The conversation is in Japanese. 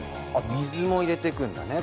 水も入れていくんだね。